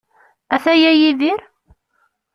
Ataya Yidir?